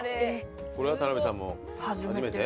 これは田辺さんも初めて？